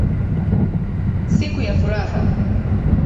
Siku ya furaha.